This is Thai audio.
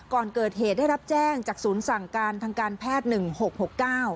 ก่อนเกิดเหตุได้รับแจ้งจากศูนย์สั่งการทางการแพทย์๑๖๖๙